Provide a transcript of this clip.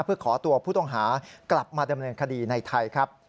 เพื่อขอตัวผู้ต้องหากลับมาดำเนินคดีในไทยครับ